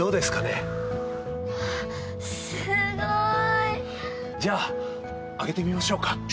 すごい。じゃああげてみましょうか。